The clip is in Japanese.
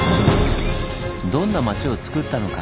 どんな町をつくったのか？